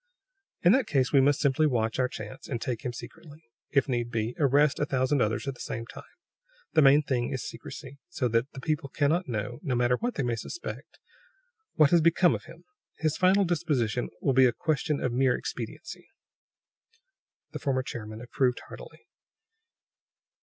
"In that case we must simply watch our chance, and take him secretly; if need be, arrest a thousand others at the same time. The main thing is secrecy; so that the people cannot know, no matter what they may suspect, what has become of him. His final dispostion will be a question of mere exediency." The former chairman approved heartily.